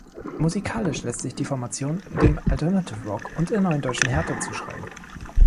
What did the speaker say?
Musikalisch lässt sich die Formation dem Alternative Rock und der Neuen Deutschen Härte zuschreiben.